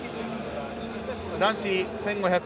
男子１５００